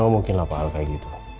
ya mungkinlah pak al kayak gitu